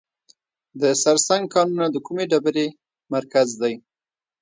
د سرسنګ کانونه د کومې ډبرې مرکز دی؟